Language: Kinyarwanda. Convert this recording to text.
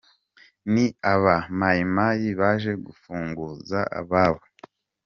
Ni aba Mai-Mai baje gupfunguza ababo.